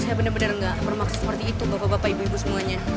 saya benar benar nggak bermaksud seperti itu bapak bapak ibu ibu semuanya